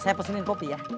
saya pesenin kopi ya